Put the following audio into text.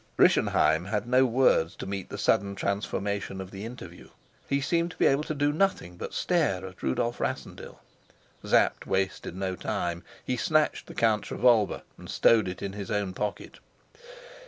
Rischenheim had no words to meet the sudden transformation of the interview. He seemed to be able to do nothing but stare at Rudolf Rassendyll. Sapt wasted no time. He snatched the count's revolver and stowed it in his own pocket.